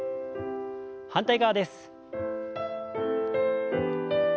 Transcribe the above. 反対側です。